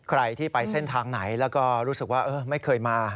ใครที่ไปเส้นทางไหนแล้วก็รู้สึกว่าไม่เคยมา